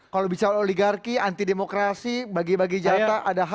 kalau bicara oligarki anti demokrasi bagi bagi jatah ada hal